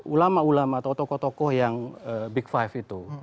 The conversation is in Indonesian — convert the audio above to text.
ulama ulama atau tokoh tokoh yang big five itu